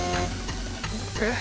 えっ？